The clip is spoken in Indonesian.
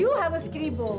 yu harus keribu